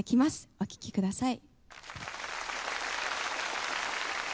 お聴きください。